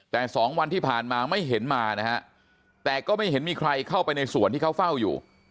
แต่สองวันที่ผ่านมาไม่เห็นมานะฮะแต่ก็ไม่เห็นมีใครเข้าไปในส่วนที่เขาเฝ้าอยู่